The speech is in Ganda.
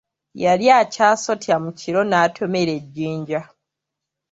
Yali akyasotya mu kiro n'atomera ejjinja.